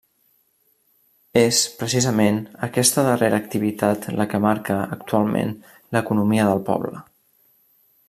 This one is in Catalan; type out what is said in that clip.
És, precisament, aquesta darrera activitat la que marca, actualment, l'economia del poble.